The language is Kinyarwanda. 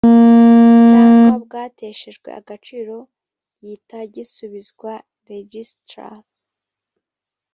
cyangwa bwateshejwe agaciro gihita gisubizwa registrar